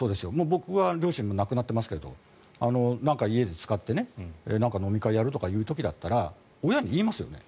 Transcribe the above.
僕は両親も亡くなっていますが何か家で使って飲み会をやるという時だったら親に言いますよね。